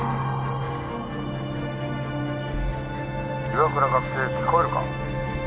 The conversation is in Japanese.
「岩倉学生聞こえるか？」。